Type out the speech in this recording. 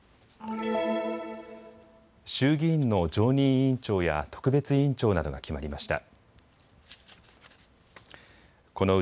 衆議院の常任委員長や特別委員長などが決まりました。